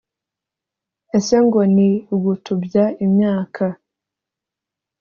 ese ngo ni ugutubya imyaka.